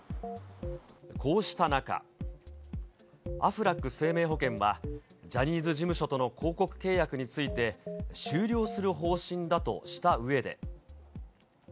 こうした中、アフラック生命保険は、ジャニーズ事務所との広告契約について、終了する方針だとしたうえで。